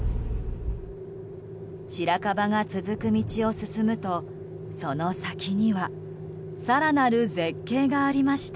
白樺が続く道を進むとその先には更なる絶景がありました。